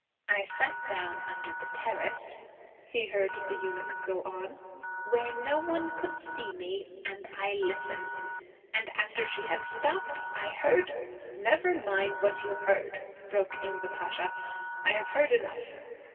'I sat down, under the terrace,' he heard the eunuch go on, 'where no one could see me, and I listened. And after she had stopped I heard ' 'Never mind what you heard,' broke in the Pasha. 'I have heard enough.'